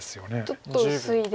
ちょっと薄いですか。